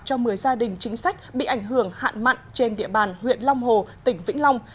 cho một mươi gia đình chính sách bị ảnh hưởng hạn mặn trên địa bàn huyện long hồ tỉnh vĩnh long